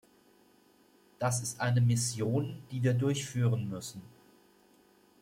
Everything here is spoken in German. Das ist eine Mission, die wir durchführen müssen.